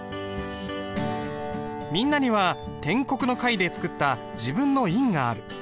みんなには篆刻の回で作った自分の印がある。